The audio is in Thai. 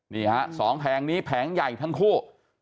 นี่ฮะสองแผงนี้แผงใหญ่ทั้งคู่